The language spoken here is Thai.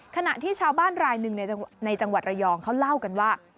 ขณะที่ชาวบ้านรายหนึ่งในจังหวัดระยองเขาเล่ากันว่า